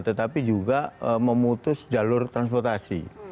tetapi juga memutus jalur transportasi